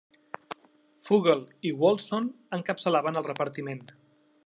Fogel i Wolfson encapçalaven el repartiment.